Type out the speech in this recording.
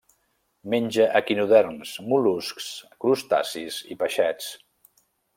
Menja equinoderms, mol·luscs, crustacis i peixets.